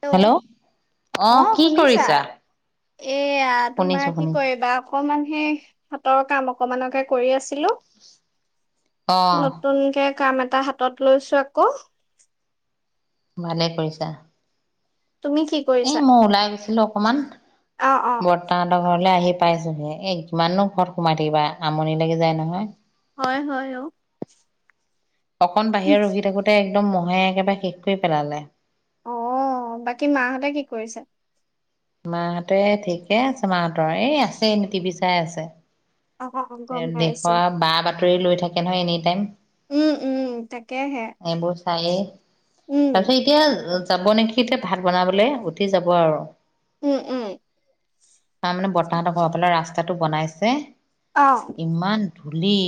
Hello অ অঁ কি শুনিছা? কৰিছা? এয়া তোমাৰ শুনিছো কি শুনিছো কয় এবাৰ অকমান সেই হাতৰ কাম অকমানকে কৰি আছিলো। অ নতুনকে কাম এটা হাতত লৈছো আক। ভালে কৰিছা। তুমি কি? এ কৰিছা মই ওলাই গৈছিলো অকমান অ অ বৰ। তাহতৰ ঘৰলে আহি পাইছোহে, এ কিমাননো ঘৰত সোমাই থাকিবা আমনি লাগে যায় নহয়। হয়, হয় অ। অকণ বাহিৰৰে ৰখি থাকোতে একদম মহে একেবাৰে শেষ কৰি পেলালে? অ বাকী মাহঁতে কি কৰিছে? মাহতে ঠিকে আছে, মাহতৰ এই আছেই এনে টিভি চাই আছে। অ অ অ গম দেশৰ পাইছো বা বাতৰি লৈ থাকে নহয়, এনি টাইম। উম উম তাকেহে। এইবোৰ চাইয়ে উম তাৰপিছত এতিয়া? যাব নেকি এতিয়া ভাত বনাবলৈ উঠি যাব আৰু? উম, উম। তাৰ মানে বৰতাহঁতৰ ঘৰৰ ফালে ৰাস্তাটো বনাইছে। অহ। ইমান ধূলি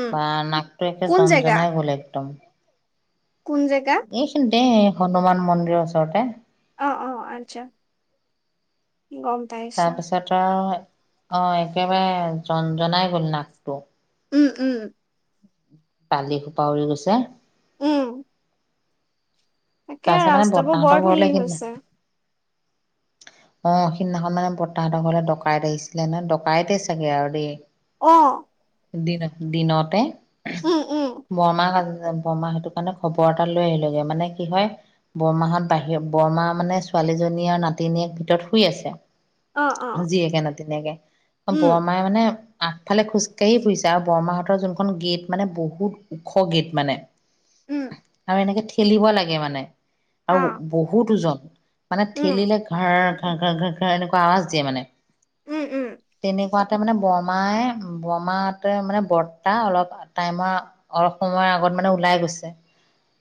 উম বা, নাকটো একে কোন জন জেগা জনাই গ'ল একদম। কোন জেগা? এইখিনিতে হনুমান মন্দিৰৰ ওচৰতে? অ, অ আচ্ছা গম? পাইছো তাৰপিছত আও অ একেবাৰে জন জনাই গল নাকটো। উম, উম। বালি সোপা উৰি গৈছে। উম, তাকে তাৰছে মানে ৰাস্তাবোৰ বৰ বৰ্তাহতঁৰ ধূলি ঘৰলে কিন নে। হৈছে অ সিদিনাখন মানে বৰ্তাহতঁৰ ঘৰলে ডকাইত আহিছিলে, নে ডকাইতে চাগে আৰু দেই? অ, দিন, দিনতে। বৰমা বৰমা সেইটো কাৰণে খবৰ এটা লৈ আহিলগৈ মানে কি হয়। বৰমাহঁত বাহিৰত বৰমাৰ মানে ছোৱালীজনী আৰু নাতিনীয়েক ভিতৰত শুই আছে। জীয়েকে নতিনীয়াকে বৰমায়ে মানে আগফালে খোজকাঢ়ি ফুৰিছে আও বৰমাহঁতৰ যোনখন গেট মানে বহুত ওখ গেট মানে উম আৰু এনেকে ঠেলিব লাগে মানে, আৰু বহুত উজন মানে ঠেলিলে ঘাৰৰ ঘাৰ ঘাৰ ঘাৰ ঘাৰ এনেকুৱা আৱাজ দিয়ে মানে তেনে কোৱাতে মানে বৰমাই বৰমাহতে মানে বৰ্তা অলপ টাইমৰ অলপ সময় আগত মানে ওলাই গৈছে।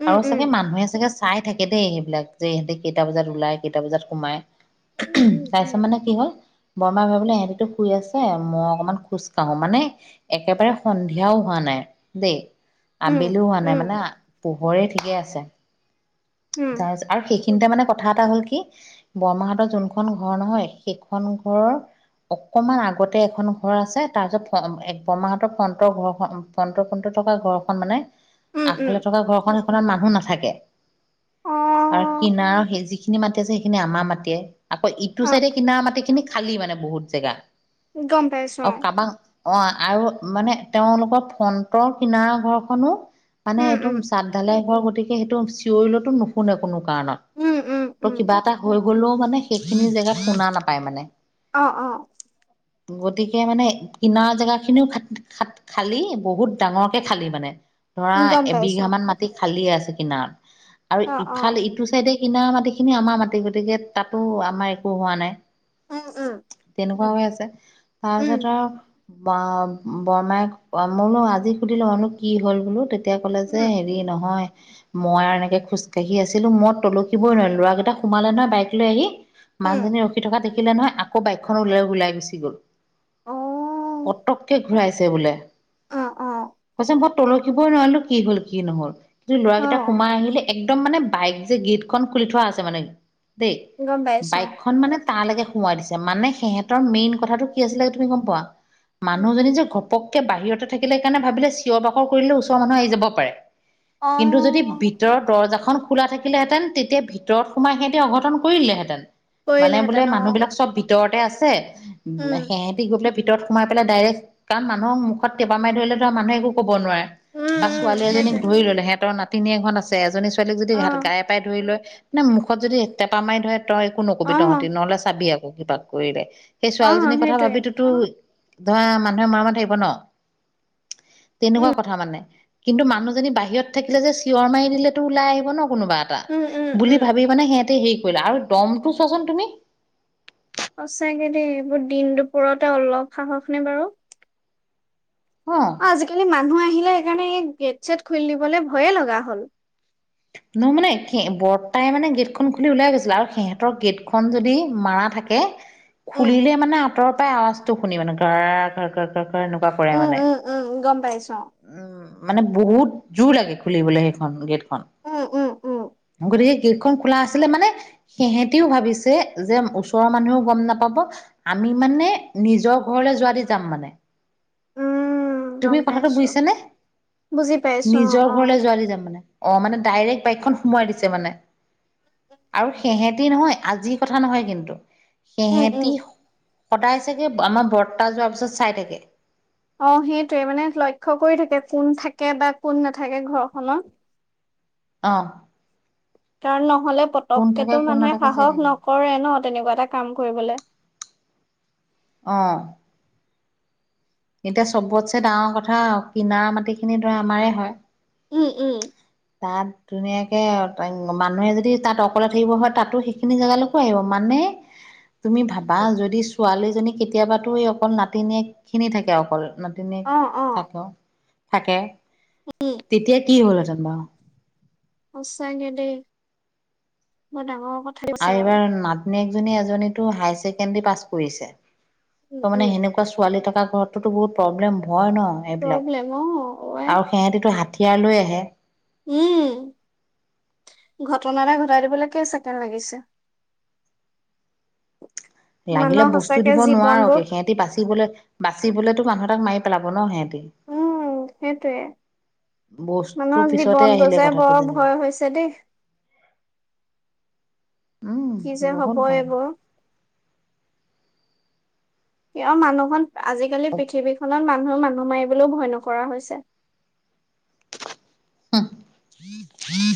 আৰু চাগে মানুহে চাই থাকে দেই সেইবিলাক যে ইহঁতে কেইটা বজাত ওলাই কেইটা বজাত সোমাই তাৰপিছত মানে কি হ'ল বৰ্মাই ভাবিলে ইহঁতি শুই আছে মই অকণমান খোজ কাঢ়ো মানে একেবাৰে সন্ধিয়াও হোৱা নাই দেই আবেলিও হোৱা নাই মানে পোহৰে ঠিকে আছে। কিন্তু এতিয়া মানে কথা এটা হ'ল কি বৰমাহতৰ যোনখন ঘৰ নহয় সেইখন ঘৰৰ অকমান আগতে এখন ঘৰ আছে তাৰ পিছত বৰমাহতৰ ফ্ৰন্টৰ ঘৰখন ফ্ৰন্ট ফ্ৰন্টত থকা ঘৰখন মানে আগফালে থকা ঘৰখন সেইখনত মানুহ নাথাকে। অহ' আৰু কিনাৰৰ সেই যিখিনি মাটি আছে সেইখিনি আমাৰ মাটিয়ে, আকৌ' ইটো চাইডে কিনাৰ মাটি খিনি খালী মানে বহুত জেগা অ' কাবাক অ' আৰু মানে তেওঁলোকৰ ফ্ৰন্টৰ কিনাৰ ঘৰখনো মানে উম একদম উম চাদ- ধালাই ঘৰ, গতিকে সেইটো চিঞৰি তো নুশুনে কোনো কাৰণত। উম উম ত' উম কিবা এটা হৈ গ'লেও মানে সেইখিনি জেগাত শুনা নাপায় মানে। অ' অ। গতিকে মানে কিনাৰ জেগা খিনিও খাত খালী বহুত ডাঙৰকে খালি মানে, ধৰা গম পাইছো এবিঘামান মাটি খালী আছে কিনাৰত। আৰু অ অ ইফালে ইটো চাইডে কিনা মাটিখিনি আমাৰ মাটি, গতিকে তাতো আমাৰ একো হোৱা নাই। উম উম তেনেকুৱা হৈ আছে। তাৰছত আও বা বৰমাই মইনো আজি সুধিলোঁ মইনো কি হ'ল বোলোঁ? তেতিয়া ক'লে যে উম হেৰি নহয়, মই আৰু এনেকে খোজ কাঢ়ি আছিলোঁ মই তলকিবই নোৱাৰিলোঁ। ল'ৰাকেইটা সোমালে নহয় বাইক লৈ আহি। উম উম মানুহজনী ৰখি থকা দেখিলে নহয়, আ কৌ বাইকখন ওলাই ওলাই গুচি গ'ল। অ পটককে ঘূৰাইছে বোলে। অ অ কৈছে মই তলকিবই নোৱাৰিলোঁ কি হল কি নহল। কিন্তু অ ল'ৰাকেইটা সোমাই আহিলে, একদম মানে বাইক যে গেটখন খুলি থোৱা আছে মানে দেই, গম পাইছো বাইকখন মানে তালেকে সোমোৱাই দিছে। মানে সিহঁতৰ মেইন কথাটো কি আছিলে তুমি গম পোৱা? উম উম মানুহজনী যে ঘপককে বাহিৰতে থাকিলে কাৰণে ভাবিলে চিঞৰ বাখৰ কৰিলে ওচৰৰ মানুহ আহি যাব পাৰে। অ কিন্তু যদি ভিতৰত দৰ্জাখন খোলা থাকিলেহেঁতেন, তেতিয়া ভিতৰত সোমাই সিহঁতি অঘটন কৰি দিলে হেঁতেন। মানে বোলে কৰিলেহেঁতেন অ মানুহ বিলাক চব ভিতৰতে আছে। উম উ সেহঁতি গৈ পেলাই ভিতৰত সোমাই পেলাই ডাইৰেক্ট, কাৰণ মানুহৰ মুখত তেপা মাৰি ধৰিলে ধৰা মানুহে একো ক'ব নোৱাৰে। উম বা উম ছোৱালী এজনীক সেইটোৱে ধৰি ললে সিহঁতৰ নাতিনীয়েক হঁত আছে, এজনী ছোৱালীক যদি অ গাই পাই ধৰি লয় নে মুখত যদি টেপা মাৰি ধৰে, তই একো নকবি অ তহঁতি নহলে চাবি আকৌ কিবা কৰিলে। সেই অ ছোৱালীজনীৰ কথা সেইটোৱে ভাবিটোতো, ধৰা মানুহে মনে মনে থাকিব ন। তেনেকুৱা উম কথা মানে। কিন্তু মানুহজনী বাহিৰত থাকিলে যে চিঞৰ মাৰি দিলেতো ওলাই আহিব ন কোনোবা এটা। উম উম বুলি উম ভাবি মানে সিহঁতে হেৰি কৰিলে। আৰু দমটো চোৱাচোন তুমি? সঁচাকে দেই এইবোৰ দিন দুপৰতে অলপ সাহস নে বাৰু। অ। আজিকালি মানুহ আহিলে সেইকাৰণে এই গেট ছেট খুলি দিবলে ভয়ে লগা হ'ল। নহয় মানে, কি বৰ্তাই মানে গেটখন খুলি ওলাই গৈছিলে আৰু সিহঁতৰ গেট খন যদি মাৰা থাকে কে, উম খুলিলে মানে আঁতৰ পৰাই আওয়াজতো শুনি মানে ঘ' ঘৰ ঘৰ ঘৰ ঘৰ এনেকুৱা কৰে উম মানে। উম, গম পাইছো। উম', মানে বহুত জোৰ লাগে খুলিবলে সেইখন গেট খন। অ উম উম উম গতিকে গেটখন খোলা আছিলে মানে, সেহেতিও ভাবিছে যে ওচৰৰ মানুহেও গম নাপাব, আমি মানে নিজৰ ঘৰলে যোৱা দি যাম মানে। উম গম তুমি কথাটো পাইছো বুজিছা নে? বুজি পাইছো নিজৰ অ অ ঘৰলৈ যোৱাদি যাম মানে। অ, মানে ডাইৰেক্ট বাইকখন সোমোৱাই দিছে মানে। আৰু সেহেতি নহয়, আজিৰ কথা নহয় কিন্তু। উম উম সেহেতি, সদায় চাগে আমাৰ বৰ্তা যোৱাৰ পিছত চাই থাকে। অ সেইটোৱে। মানে লক্ষ্য কৰি থাকে, কোন থাকে বা কোন নাথাকে ঘৰ খনত। অ। কাৰণ নহ'লে কোন থাকে পতককেতো কোন মানুহে নাথাকে চাই সাহস থাকে নকৰে ন তেনেকুৱা এটা কাম কৰিবলে। অঁ। এতিয়া চবটছে ডাঙৰ কথা, কিনাৰ মাটি খিনিতো আমাৰে হয়। উম উম তাত ধুনীয়াকে মানুহে যদি তাত অকলে থাকিব হয়, তাতো সেইখিনি জেগালৈকো আহিব মানে [unintelligible] তুমি ভাবা, যদি ছোৱালীজনী কেতিয়াবাতো এই অকল নাতিনীয়েক খিনি থাকে অকল তেনে অ অ থাক থাকে উম তেতিয়া কি হ'ল হেঁতেন বাও সচাকে দেই, বৰ ডাঙৰ কথা। আৰু এইবাৰ নাতিনীয়েকজনী এজনীতো হাই ছেকেণ্ডাৰী পাছ কৰিছে, উম ত' মানে উম সেনেকুৱা ছোৱালী থকা ঘৰতো বহুত প্ৰব্লেম ভয় ন এইবিলাক প্ৰব্লেম অ ঐ আৰু সিহঁতেটো হাঠিয়াৰ লৈ আহে। উম ঘটনা এটা ঘটাই দিবলে কেই ছেকেণ্ড লাগিছে। [unintelligible] লাগিলে মানুহৰ বস্তু সঁচাকে দিব নোৱাৰক জীৱনবোৰ সিহঁতে বাচিবলৈ বাচিবলেতো মানুহ এটাক মাৰি পেলাব ন' সিহঁতি। উম সেইটোৱে। বস্তু মানুহৰ পিছতে জীৱনটো আহিলে যে কথাটো বৰ যেনিবা ভয় হৈছে দেই। উম কি যে হব বহুত ভয় এইবোৰ। কিয় মানুহখন আজিকালি পৃথিৱীখনত মানুহে মানুহ মাৰিবলৈও ভয় নকৰা হৈছে। [unintelligible]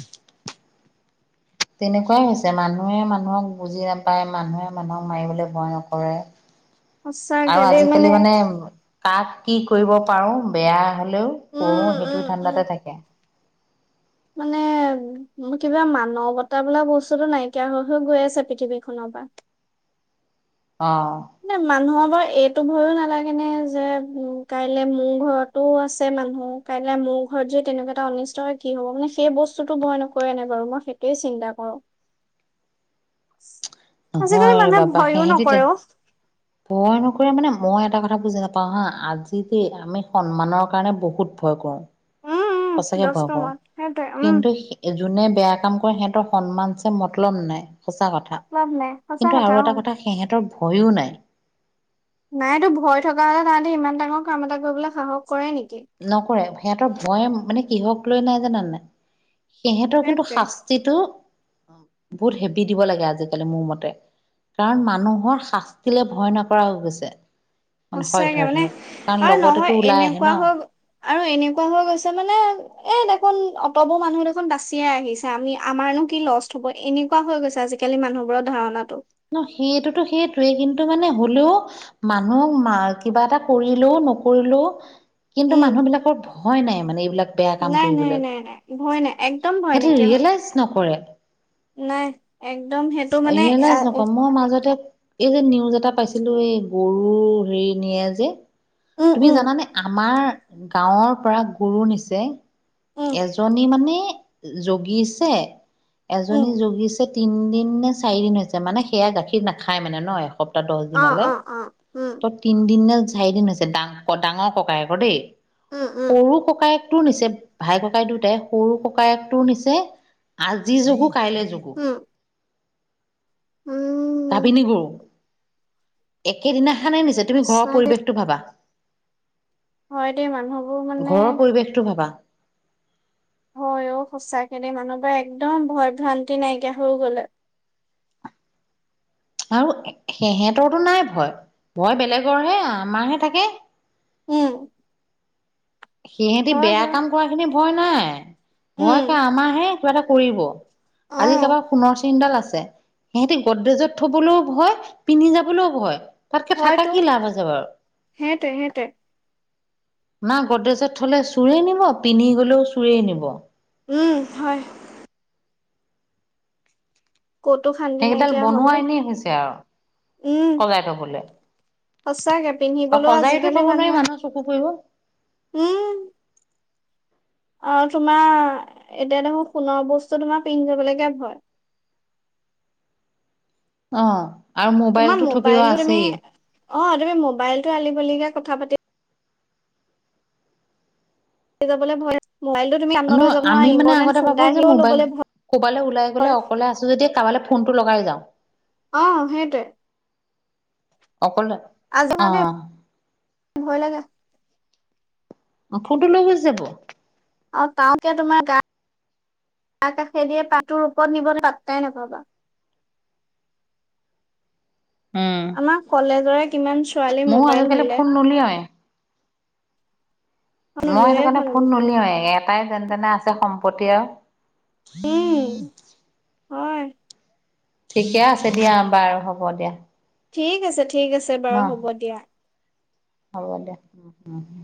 তেনেকুৱাই হৈছে মানুহে মানুহক বুজি নাপায়, মানুহে মানুহক মাৰিবলৈ ভয় নকৰে। সঁচাকে আৰু দেই আজিকালি মানে কাক কি কৰিব পাৰো বেয়া হলেও, কৰো উম উম সেইটো উম ধান্দাতে থাকে। মানে মা কিবা মানৱতা বোলা বস্তুতো নাইকিয়া হৈ হৈ গৈ আছে পৃথিৱী খনৰ পৰা। অ নে মানুহৰ বাৰু এইটো ভয়ো নালাগে নে, যে উম কাইলে মোৰ ঘৰত টো আছে মানুহ কাইলে মোৰ ঘৰত যদি তেনেকুৱা এটা অনিষ্ট হয় কি হ'ব, মানে সেই বস্তুটো ভয় নকৰে নে বাৰু মই সেই তাকেই চিন্তা কৰোঁ। আজিকালি নহয় মানুহে ৰবা ভয়ো নকৰে সেহেতি অ ভয় নকৰে মানে মই এটা কথা বুজি নাপাওঁ হা, আজি দেই আমি সন্মানৰ কাৰণে বহুত ভয় কৰোঁ, উম উম সঁচাকে ভয় কৰোঁ দশৰুমত সেইটোৱে উম কিন্তু সেই যোনে বেয়া কাম কৰে, সিহঁতৰ সন্মানছে মতলব নাই সঁচা কথা। মতলব নাই সঁচা কিন্তু আৰু অ এটা কথা সিহঁতৰ ভইয়ো নাই নাইটো ভয় থকা হলে তাহাঁতি ইমান ডাঙৰ কাম এটা কৰিবলে সাহস কৰে নেকি নকৰে সিহঁতৰ ভয় মানে কিহক লৈ জানানে নাই সিহঁতৰ কিন্তু শাস সেইটোৱে শাস্তিটো বহুত হেভি দিব লাগে আজিকালি মোৰ মতে কাৰণ মানুহৰ শাস্তিলে ভয় নকৰা হৈ গৈছে মানে হয় সচাকে হয় মানে হয় কাৰণ আৰু লগতেতো নহয় ওলাই আহে এনেকুৱা ন হৈ আৰু এনেকুৱা হৈ গৈছে মানে এ দেখোন অটবোৰ মানুহ দেখোন বাছিয়েই আহিছে আমি আমাৰনো কি লষ্ট হব এনে -কোৱা হৈ গৈছে আজিকালি মানুহৰ ধাৰণাতো ন সেইটোতো সেইটোৱেই কিন্তু মানে হলেও মানুহক কিবা এটা কৰিলেও নকৰিলেও কিন্তু উম মানুহবিলাকৰ ভয় নাই মানে এইবিলাক বেয়া কাম নাই নাই কৰিবলৈ নাই নাই ভয় নাই একদম ভয় সেতি নাইকিয়া হ'ল ৰিয়েলাইজ নকৰে। নাই একদম সেই ৰিয়েলাইজ নকৰে মই মাজতে এই যে নিউজ এটা পাইছিলো, এই গৰু হেৰি নিয়ে যে। উম তুমি উম জানানে, আমাৰ গাঁৱৰ পৰা গৰু নিছে উম এজনী মানে, জগিছে, উম এজনী জগিছে তিনিদিন নে চাৰিদিন হৈছে মানে সেয়া গাখীৰ নাখায় মানে ন, এসপ প্তাহ, অ দছদিনলে। অ অ উম ত' তিনদিন নে চাৰিদিন হৈছে, ডাঙ-ডাঙৰ ককায়েকৰ দেই। উম উম সৰু ককায়েকটোৰ নিচে। ভাই-ককাই দুটাই সৰু ককায়েকটো নিচে, আজি জগো কাইলৈ জগো। উম। উম গাভিনী গৰু, একেদিনাখনেই নিছে তুমি ঘৰৰ সঁচাকে পৰিৱেশ শটো ভাৱা। হয় দেই মানুহবোৰ মানে ঘৰৰ পৰিৱেশটো ভাৱা। হয় অ', সঁচাকে দে মানুহবোৰৰ একদম ভয় ভ্ৰান্তি নাইকিয়া হৈ গ'লে। আৰু এ সিহঁতৰো নাই ভয়। ভয় বেলেগৰহে আমাৰহে থাকে। উম। সিহেতি হয় বেয়া হয়, কাম কৰা খিনি ভয় নাই। ভয় উম, কৰে আমাৰ হে কিবা এটা কৰিব। আজি অ', কাৰবাৰ সোণৰ চেইনডাল আছে সিহঁতে গড্ৰেজত থ'বলৈও ভয়, পিন্ধি যাবলৈও ভয়। তাতকে থাকা হয়তো কি লাভ আছে বাৰু? সেইটোৱে সেইটোৱে, না গড্ৰেজত থ'লে চোৰে নিব, পিন্ধি গ'লেও চোৰেই নিব। উম, হয়। ক'তো শান্তি সেইকেইডাল নাইকিয়া হ'ল বনোৱা দেই, এনেই হৈছে আৰু উম। সজাই থবলৈ সঁচাকে আৰু পিন্ধিবলৈও সজাইতো আজিকালি থব নোৱাৰি মানুহে, মানুহৰ চকু পৰিব উম। আৰু তোমাৰ, এতিয়া দেখোন সোণৰ বস্তু তোমাৰ পিন্ধি যাবলৈকে ভয়। অ', আৰু তোমাৰ মোবাইলটো থপিওয়া তুমি আছেই। অ', তুমি মোবাইল টো আলি-গলিকে কথা পাতি যাবলৈ ভয় লাগে। মোবাইলটো তুমি কাণত লৈ নহয়, যাব নোৱাৰা, আমি মানে ইম্পৰ্টেণ্ট আগতে ফোন এটা ভাৱো যে আহিলেও মোবাইল ল'বলৈ ক'বালৈ ওলাই গ'লে ভয়, অকলে আছো যেতিয়া কাৰবালে ফোন টো লগাই যাওঁ। অ', সেইটোৱে। অকলে অ আজিকালি, ভয় লাগে। অ', ফোনটো লৈ গুচি যাব। আৰু সাওতে তোমাৰ গা, গা কাষেদিয়ে পাৰ টোৰ [inaudible] ওপৰত নিব, তুমি পাত্তাই নাপাবা। উম। আমাৰ কলেজৰে কিমান ছোৱালী মোবাইল নিলে। নুলিয়াই। এখন মই সেইটো উলিওৱাই কাৰণে ভাল ফোন আজিকালি নুলিয়াৱে, এটাই যেনে তেনে আছে সম্পত্তি আৰু। উম, হয়। ঠিকে আছে দিয়া বাৰু, হ'ব দিয়া। ঠিক আছে, ঠিক আছে ন বাৰু হ'ব দিয়া। হ'ব দিয়া, উম, উম, উম।